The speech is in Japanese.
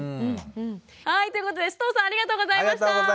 はいということで須藤さんありがとうございました。